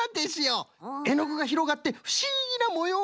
えのぐがひろがってふしぎなもようができるんです！